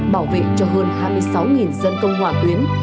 bảo vệ cho hơn hai mươi sáu dân công hỏa tuyến